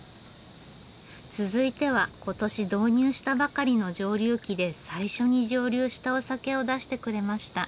続いては今年導入したばかりの蒸留機で最初に蒸留したお酒を出してくれました。